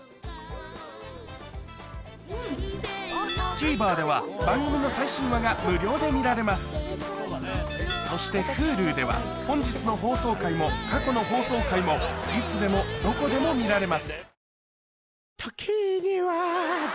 ＴＶｅｒでは番組の最新話が無料で見られますそしてＨｕｌｕでは本日の放送回も過去の放送回もいつでもどこでも見られます